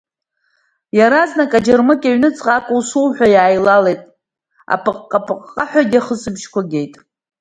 Иаразнак аџьармыкьа аҩнуҵҟа акәу-сыкәуҳәа иааилалеит, апыҟҟа-пыҟҟаҳәагьы ахысбыжьқәа геит.